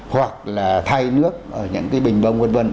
hoặc là thay nước ở những cái bình bông vân vân